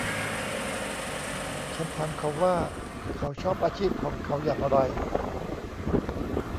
ฉันถามเขาว่าเขาชอบอาชีพของเขาอย่างไร